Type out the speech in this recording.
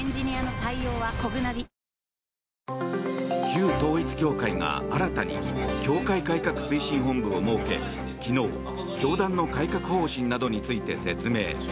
旧統一教会が新たに教会改革推進本部を設け昨日、教団の改革方針などについて説明。